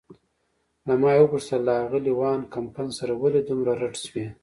له ما یې وپوښتل: له آغلې وان کمپن سره ولې دومره رډ شوې؟